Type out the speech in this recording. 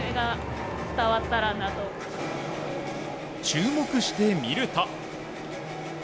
注目して見ると。